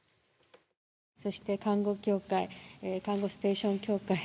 そして看護協会看護ステーション協会。